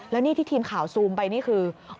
แล้วนี่ที่ทีมข่าวซูมไปนี่คือ